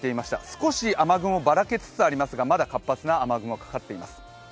少し雨雲ばらけつつありますが、まだ活発な雨雲がかかっています。